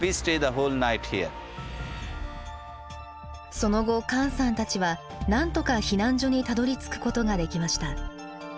その後カーンさんたちはなんとか避難所にたどりつくことができました。